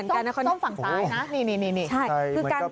สิ่งการแต่งตัวคุยกับเพราะดู